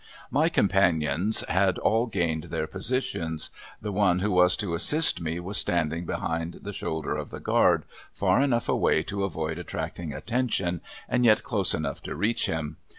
My companions had all gained their positions. The one who was to assist me was standing behind the shoulder of the guard, far enough away to avoid attracting attention and yet close enough to reach him.